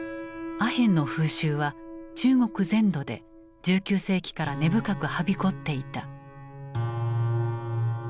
阿片の風習は中国全土で１９世紀から根深くはびこっていた。